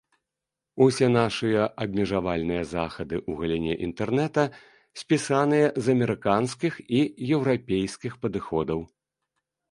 Усе нашыя абмежавальныя захады ў галіне інтэрнэта спісаныя з амерыканскіх і еўрапейскіх падыходаў.